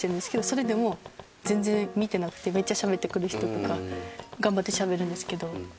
それでも全然見てなくてめっちゃしゃべってくる人とか頑張ってしゃべるんですけど。